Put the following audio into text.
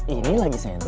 ini lagi sensi